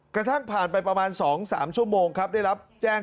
กระทั่งผ่านไปประมาณ๒๓ชั่วโมงครับได้รับแจ้ง